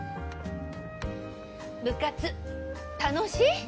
部活楽しい？